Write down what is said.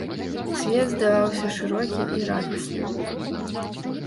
Свет здаваўся шырокі і радасны.